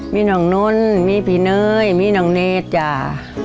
มีน้องนนมีพี่เนยมีน้องเนธจ้า